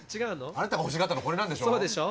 あなたが欲しがったのこれなんでしょ。